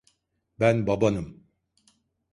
Ben babanım.